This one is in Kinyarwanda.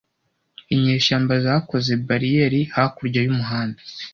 Inyeshyamba zakoze bariyeri hakurya y'umuhanda.